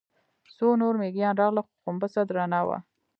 څو نور مېږيان راغلل، خو غومبسه درنه وه.